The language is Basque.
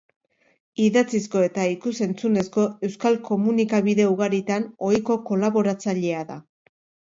Idatzizko eta ikus-entzunezko euskal komunikabide ugaritan ohiko kolaboratzailea da.